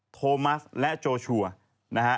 โทมัสและโจชัวร์นะฮะ